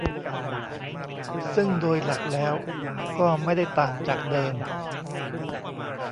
ซึ่งโดยหลักแล้วก็ไม่ได้ต่างจากเดิม